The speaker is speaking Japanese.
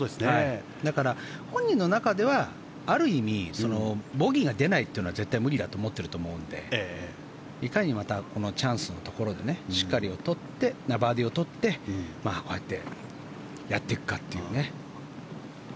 だから、本人の中ではある意味ボギーが出ないというのは絶対無理だと思っていると思うのでいかに、またこのチャンスのところでしっかりバーディーを取ってこうやってやっていくかっていう。